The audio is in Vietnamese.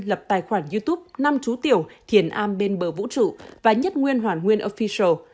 lập tài khoản youtube năm chú tiểu thiền am bên bờ vũ trụ và nhất nguyên hoàn nguyên official